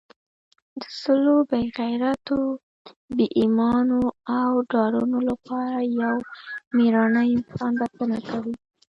د سلو بې غیرتو، بې ایمانو او ډارنو لپاره یو مېړنی انسان بسنه کوي.